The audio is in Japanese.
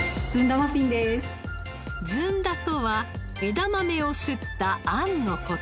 ずんだとは枝豆をすった餡の事。